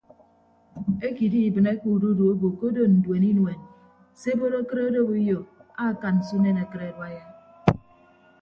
Eke idibịneke ududu obo ke odo nduen inuen se ebot akịt odop uyo akan se unen akịt aduaiya.